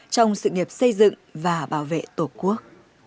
trong sự nghiệp xây dựng và bảo vệ tổ quốc